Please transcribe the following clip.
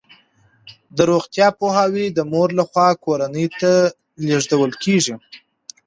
د روغتیا پوهاوی د مور لخوا کورنۍ ته لیږدول کیږي.